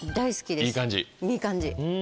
いい感じ。